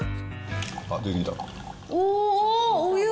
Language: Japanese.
あっ、出てきた。